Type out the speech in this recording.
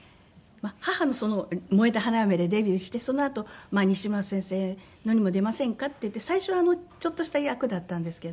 母のその『燃えた花嫁』でデビューしてそのあと「西村先生のにも出ませんか？」っていって最初はちょっとした役だったんですけど。